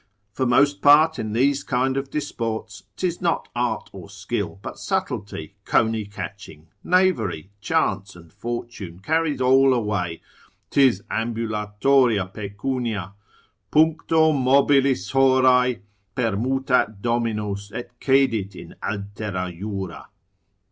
For most part in these kind of disports 'tis not art or skill, but subtlety, cony catching, knavery, chance and fortune carries all away: 'tis ambulatoria pecunia, ———puncto mobilis horae Permutat dominos, et cedit in altera jura.